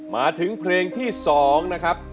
มาถึงเพลงที่๒นะครับ